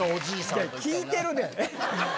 いや聞いてるで。